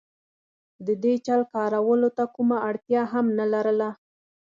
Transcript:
د دې چل کارولو ته کومه اړتیا هم نه لرله.